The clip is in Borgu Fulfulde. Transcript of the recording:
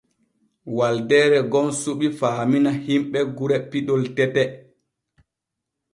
Waldeere gom suɓi faamina himɓe gure piɗol tete.